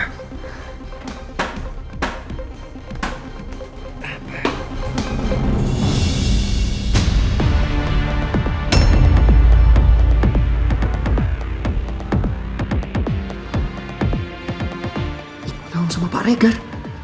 ikut tahu sama pak reger